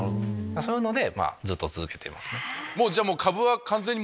そういうのでずっと続けてます。